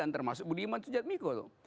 termasuk budiman sujatmiko itu